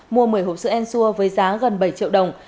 mua một mươi hộp sữa en xua với giá gần bảy triệu đồng